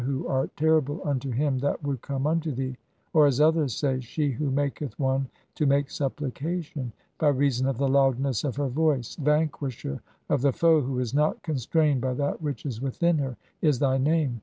who "art terrible unto him that would come unto thee," or as others say, "She who maketh one to make supplication, by reason of "the loudness of her voice ; vanquisher of the foe who is not "constrained by that which is within her,' is thy (3g) name.